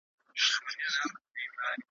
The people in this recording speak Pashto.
پر اروا مي بد شګون دی نازوه مي `